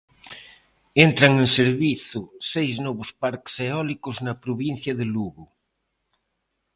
Entran en servizo seis novos parques eólicos na provincia de Lugo.